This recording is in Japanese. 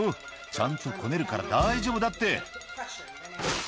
「ちゃんとこねるから大丈夫だって」